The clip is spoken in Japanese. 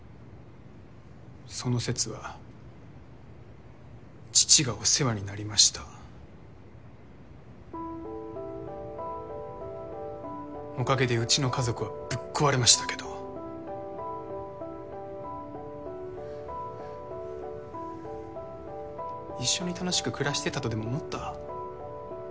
その節は父がお世話になりましたおかげでうちの家族はぶっ壊れましたけど一緒に楽しく暮らしてたとでも思った？